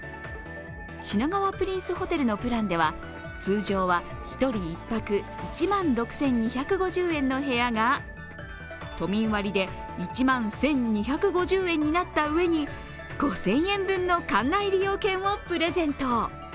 品川プリンスホテルのプランでは通常は１人１泊１万６２５０円の部屋が都民割で１万１２５０円になったうえに５０００円分の館内利用券をプレゼント。